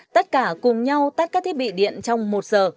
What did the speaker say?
tất cả cùng nhau tắt các thiết bị điện trong một giờ